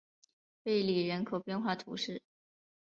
贝里人口变化图示